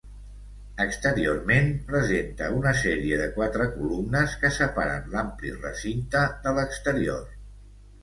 Exteriorment presenta una sèrie de quatre columnes que separen l'ampli recinte de l'exterior.